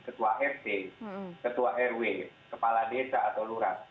ketua rt ketua rw kepala desa atau lurah